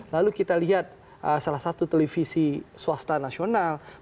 lalu kita lihat salah satu televisi swasta nasional